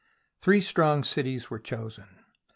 Three strong cities were chosen.